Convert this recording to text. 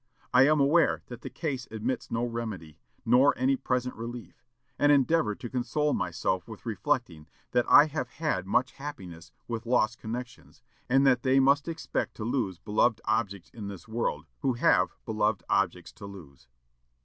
I am aware that the case admits no remedy, nor any present relief; and endeavor to console myself with reflecting that I have had much happiness with lost connections, and that they must expect to lose beloved objects in this world who have beloved objects to lose."